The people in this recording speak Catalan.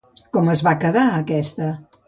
Com es va quedar aquesta?